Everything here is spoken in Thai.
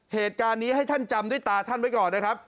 เหตุการณ์นี้ให้ท่านจำด้วยตาท่านไว้ก่อนนะครับ